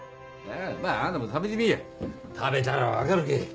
まぁあんたも食べてみぃや食べたら分かるけぇ。